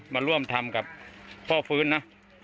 มาร่วมทำกับพ่อฟื้นนะ